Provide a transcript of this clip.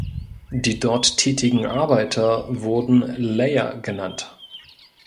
Die dort tätigen Arbeiter wurden "Layer" genannt.